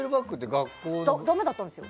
だめだったんです。